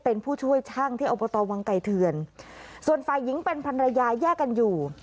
เป็นผู้ช่วยช่างที่อบตวังไก่เทือนส่วนฝ่ายหญิงเป็นพันรยาแยกกันอยู่